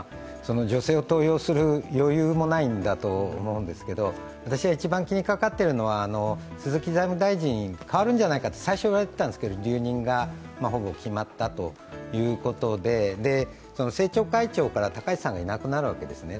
女性を登用する余裕もないんだと思うんですけど私が一番気にかかっているのは鈴木財務大臣が代わるんじゃないかと思っていたんですが留任が、ほぼ決まったということで政調会長から高橋さんがいなくなるわけですね。